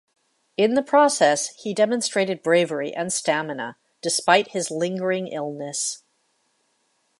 In the process, he demonstrated bravery and stamina, despite his lingering illness.